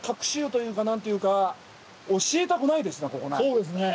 そうですね。